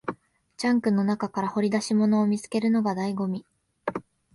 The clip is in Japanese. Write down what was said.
ジャンクの中から掘り出し物を見つけるのが醍醐味